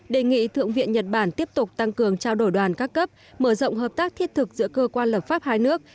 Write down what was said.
đề nghị thượng viện nhật bản tiếp tục tăng cường trao đổi đoàn các cấp mở rộng hợp tác thiết thực giữa cơ quan lập pháp hai nước